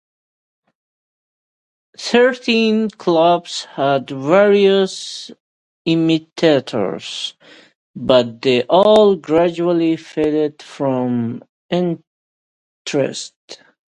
Thirteen Clubs had various imitators, but they all gradually faded from interest.